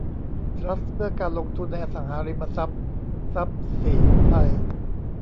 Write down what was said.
ทรัสต์เพื่อการลงทุนในอสังหาริมทรัพย์ทรัพย์ศรีไทย